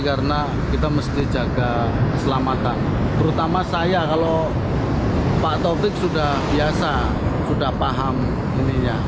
karena kita mesti jaga keselamatan terutama saya kalau pak taufik sudah biasa sudah paham ininya